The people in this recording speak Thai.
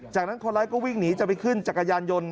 จากนั้นคนร้ายก็วิ่งหนีจะไปขึ้นจักรยานยนต์